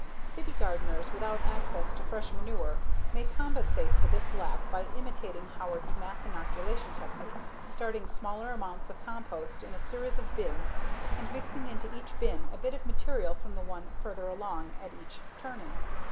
City gardeners without access to fresh manure may compensate for this lack by imitating Howard's mass inoculation technique, starting smaller amounts of compost in a series of bins and mixing into each bin a bit of material from the one further along at each turning.